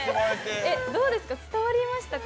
どうですか、伝わりましたか？